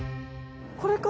これか！